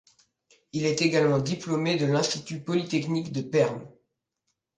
Il est également diplômé de l'Institut polytechnique de Perm.